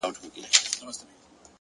زما د زما د يار راته خبري کوه”